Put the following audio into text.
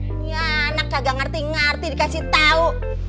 ini anak kagak ngerti ngerti dikasih tahu